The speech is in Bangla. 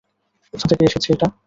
কোথা থেকে এসেছে এটা?